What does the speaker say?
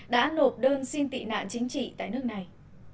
đã nộp đơn xin tị nạn chính trị tại nước này